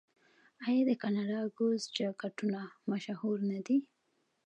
آیا د کاناډا ګوز جاکټونه مشهور نه دي؟